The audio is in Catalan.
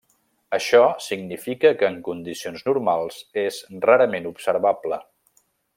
Això significa que en condicions normals és rarament observable.